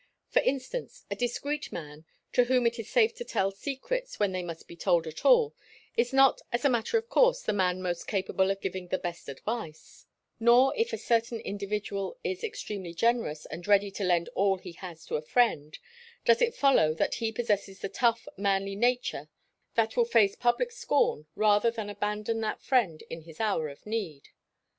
For instance, the discreet man, to whom it is safe to tell secrets when they must be told at all, is not as a matter of course the man most capable of giving the best advice; nor, if a certain individual is extremely generous and ready to lend all he has to his friend, does it follow that he possesses the tough, manly nature that will face public scorn rather than abandon that friend in his hour of need.